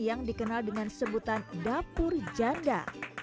yang dikenal dengan sebutan dapur janda